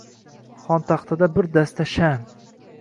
Xontaxtada bir dasta sham